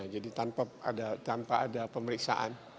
jadi tanpa ada pemeriksaan